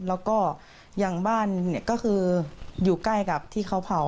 แล้วก็อย่างบ้านก็คืออยู่ใกล้กับที่เขาเผา